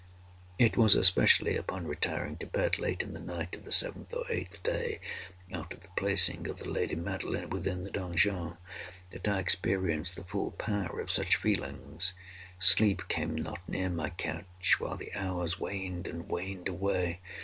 It was, especially, upon retiring to bed late in the night of the seventh or eighth day after the placing of the lady Madeline within the donjon, that I experienced the full power of such feelings. Sleep came not near my couch—while the hours waned and waned away.